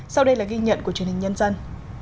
sau đây là ghi nhận của truyền hình nhân dân